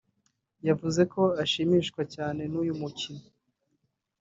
yavuze ko ashimishwa cyane n’uyu mukino